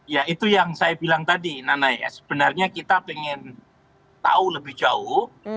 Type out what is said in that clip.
ya itu yang saya bilang tadi nana ya sebenarnya kita ingin tahu lebih jauh